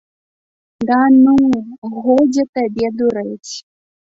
Да ну, годзе табе дурэць.